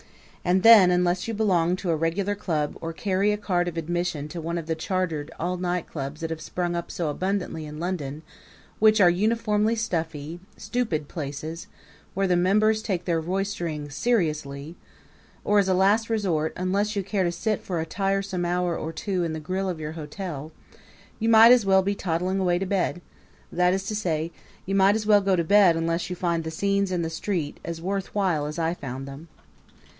And then, unless you belong to a regular club or carry a card of admission to one of the chartered all night clubs that have sprung up so abundantly in London, and which are uniformly stuffy, stupid places where the members take their roistering seriously or as a last resort, unless you care to sit for a tiresome hour or two in the grill of your hotel you might as well be toddling away to bed; that is to say, you might as well go to bed unless you find the scenes in the street as worth while as I found them.